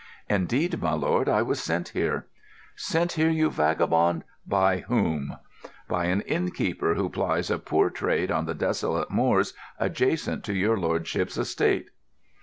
"Indeed, my lord, I was sent here." "Sent here, you vagabond? By whom?" "By an inn keeper who plies a poor trade on the desolate moors adjacent to your lordship's estate."